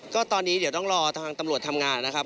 ก็ตอนนี้เดี๋ยวต้องรอทางตำรวจทำงานนะครับ